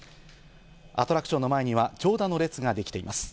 アトラクションの前には長蛇の列ができています。